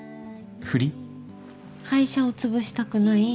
会社を潰したくない。